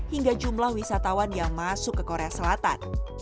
hingga jumlah wisatawan yang masuk ke korea selatan